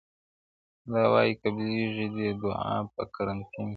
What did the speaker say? مُلا وايی قبلیږي دي دُعا په کرنتین کي--!